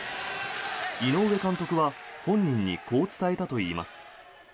井上監督は本人にこう伝えたといいます。